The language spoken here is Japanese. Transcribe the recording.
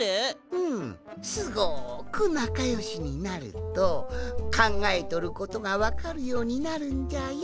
うんすごくなかよしになるとかんがえとることがわかるようになるんじゃよ。